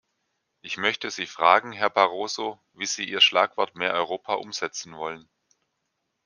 Ich möchte Sie fragen, Herr Barroso, wie Sie Ihr Schlagwort "Mehr Europa" umsetzen wollen.